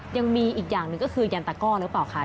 ยังมีอีกอย่างหนึ่งก็คือยันตะก้อหรือเปล่าคะ